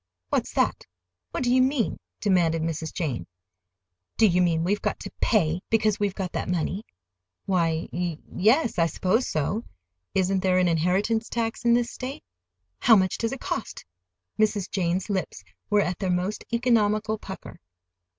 "What's that? What do you mean?" demanded Mrs. Jane. "Do you mean we've got to pay because we've got that money?" "Why, y yes, I suppose so. Isn't there an inheritance tax in this State?" "How much does it cost?" Mrs. Jane's lips were at their most economical pucker.